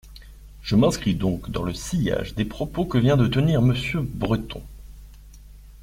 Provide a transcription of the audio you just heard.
Je m’inscris donc dans le sillage des propos que vient de tenir Monsieur Breton.